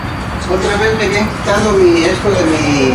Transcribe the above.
Es cuñado de la actriz Tyne Daly y el actor Tim Daly.